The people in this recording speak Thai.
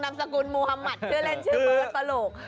นำสกุลมุฒมัฒเรื่องเล่นชื่อเปิ๊ยสประหลูก